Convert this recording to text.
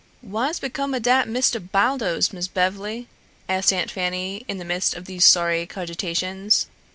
"Wha's became o' dat Misteh Baldos, Miss Bev'ly?" asked Aunt Fanny in the midst of these sorry cogitations.